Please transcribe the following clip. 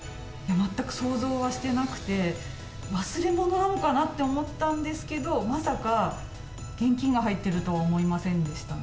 全く想像はしてなくて、忘れ物なのかなと思ったんですけど、まさか現金が入ってるとは思いませんでしたね。